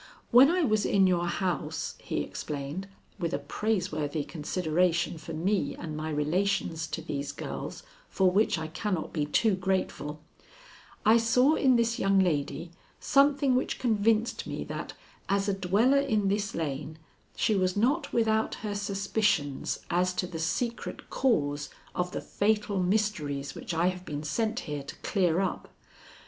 When I was in your house," he explained with a praiseworthy consideration for me and my relations to these girls for which I cannot be too grateful, "I saw in this young lady something which convinced me that, as a dweller in this lane, she was not without her suspicions as to the secret cause of the fatal mysteries which I have been sent here to clear up.